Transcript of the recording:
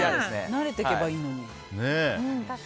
慣れていけばいいのに。